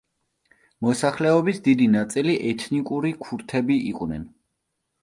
მოსახლეობის დიდი ნაწილი ეთნიკური ქურთები იყვნენ.